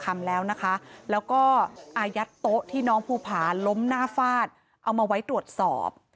มันสามารถกู้ไฟล์อะไรได้บ้างไหม